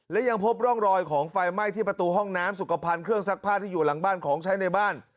และยังพบร่องรอยของไฟไหม้ที่ประตูห้องน้ำสุขภัณฑ์เครื่องซักผ้าที่อยู่หลังบ้านของใช้ในบ้าน